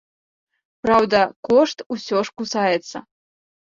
Праўда, кошт усё ж кусаецца.